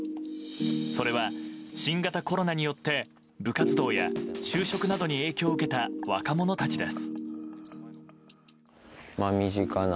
それは新型コロナによって部活動や就職などに影響を受けた若者たちです。